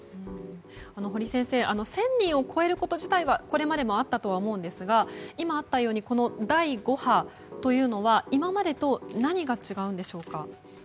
堀先生１０００人を超えること自体はこれまでもあったと思うんですが今あったように第５波というのは今までと何が違うんでしょうか。